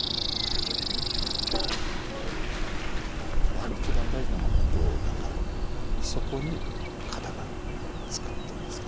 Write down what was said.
やはり一番大事なのは心だからそこに型がつくっていうんですかね。